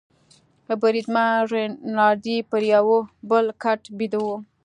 بریدمن رینالډي پر یوه بل کټ بیده وو.